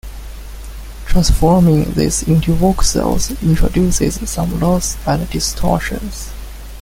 Transforming this into voxels introduces some loss and distortions.